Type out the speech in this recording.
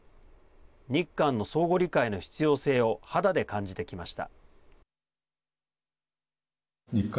日韓の相互理解の必要性を肌で感じてきました。